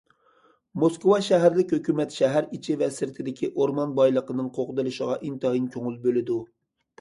موسكۋا شەھەرلىك ھۆكۈمەت شەھەر ئىچى ۋە سىرتىدىكى ئورمان بايلىقىنىڭ قوغدىلىشىغا ئىنتايىن كۆڭۈل بۆلىدۇ.